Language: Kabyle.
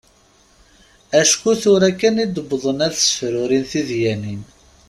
Acku tura kan i d-wwḍen ad sefrurin tidyanin.